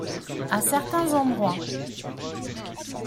À certains endroits.